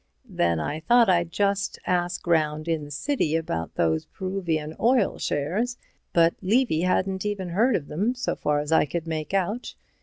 Then I thought I'd just ask 'round in the City about those Peruvian Oil shares, but Levy hadn't even heard of them, so far as I could make out.